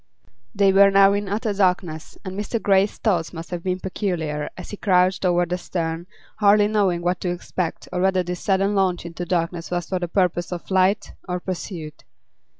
They were now in utter darkness, and Mr. Grey's thoughts must have been peculiar as he crouched over the stern, hardly knowing what to expect or whether this sudden launch into darkness was for the purpose of flight or pursuit.